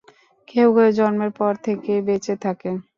কেউ কেউ জন্মের পর থেকেই বেঁচে থাকে।